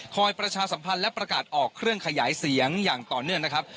ประชาสัมพันธ์และประกาศออกเครื่องขยายเสียงอย่างต่อเนื่องนะครับ